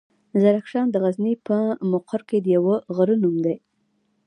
زرکشان دغزني پهمفر کې د يوۀ غرۀ نوم دی.